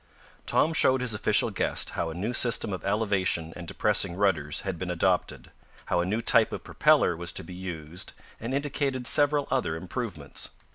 Tom showed his official guest how a new system of elevation and depressing rudders had been adopted, how a new type of propeller was to be used and indicated several other improvements.